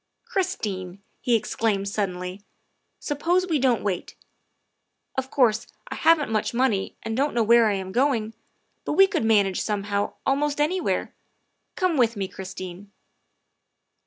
''" Christine," he exclaimed suddenly, " suppose we don't wait. Of course, I haven't much money and don't know where I am going, but we could manage somehow almost anywhere. Come with me, Christine."